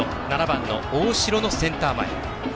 ７番の大城のセンター前。